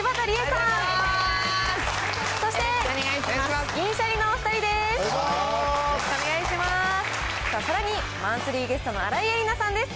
さらに、マンスリーゲストの新井恵理那さんです。